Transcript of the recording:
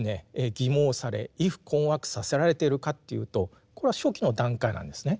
欺罔され畏怖困惑させられているかというとこれは初期の段階なんですね。